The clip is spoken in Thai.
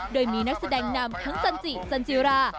โดยมีนักแสดงนำทั้งจันจิจันจิรา